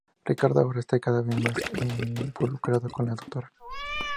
Ricardo ahora está cada vez más involucrado con la Dra.